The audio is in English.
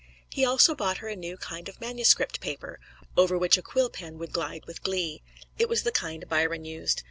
He also bought her a new kind of manuscript paper, over which a quill pen would glide with glee: it was the kind Byron used.